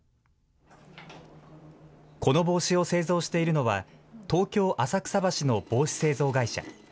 この帽子を製造しているのは、東京・浅草橋の帽子製造会社。